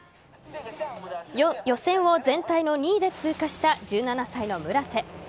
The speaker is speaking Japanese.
予選を全体の２位で通過した１７歳の村瀬。